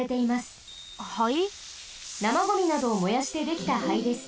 なまゴミなどを燃やしてできた灰です。